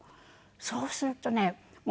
そうするとね